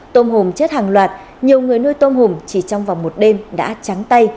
tôm hùm chết hàng loạt nhiều người nuôi tôm hùm chỉ trong vòng một đêm đã trắng tay